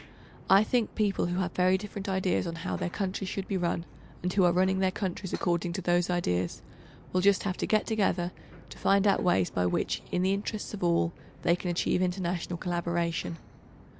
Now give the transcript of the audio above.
I think people who have very different ideas on how their countries should be run, and who are running their countries according to those ideas, will just have to get together, to find out ways by which, in the interests of all, they can achieve international collaboration.